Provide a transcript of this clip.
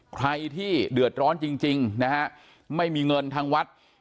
ใครที่เดือดร้อนจริงนะฮะไม่มีเงินทางวัด